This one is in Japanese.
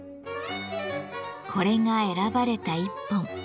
これが選ばれた一本。